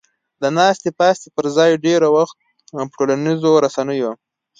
د ناستې پاستې پر ځای ډېر وخت په ټولنیزو رسنیو